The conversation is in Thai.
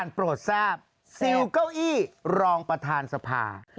เน็ตไอดอลคนใหม่ใครครับพี่